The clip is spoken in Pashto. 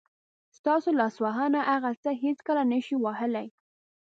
ستاسو لاسونه هغه څه هېڅکله نه شي وهلی.